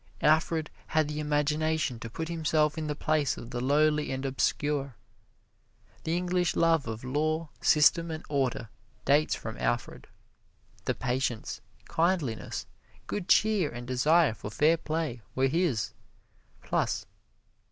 Alfred had the imagination to put himself in the place of the lowly and obscure. The English love of law, system and order dates from Alfred. The patience, kindliness, good cheer and desire for fair play were his, plus.